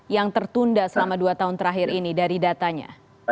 yang tertunda selama dua tahun terakhir ini dari datanya